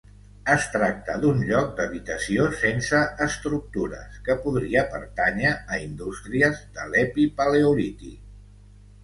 Es tracta d'un lloc d'habitació sense estructures que podria pertànyer a indústries de l'epipaleolític.